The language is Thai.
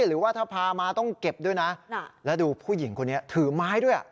หรือว่าถ้าพามาต้องเก็บด้วยนะแล้วดูผู้หญิงคนนี้ถือไม้ด้วย